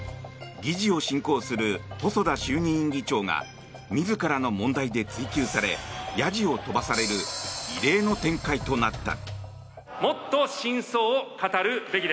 議事を進行する細田衆議院議長が自らの問題で追及されやじを飛ばされる異例の展開となった。